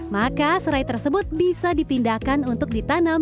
maka serai tersebut bisa dipindahkan untuk ditanam di rumah